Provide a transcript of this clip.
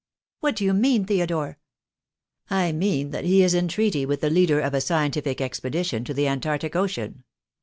"What do you mean, Theodore?" "I mean that he is in treaty with the leader of a scientific expedition to the Antarctic Ocean.